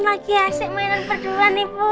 lagi asik mainan perjalan nih pun